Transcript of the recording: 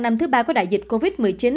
năm thứ ba của đại dịch covid một mươi chín